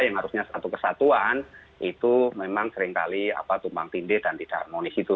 yang harusnya satu kesatuan itu memang seringkali tumpang tindih dan tidak harmonis itu